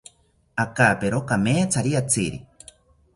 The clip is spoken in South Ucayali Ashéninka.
Akapero kamethari atziri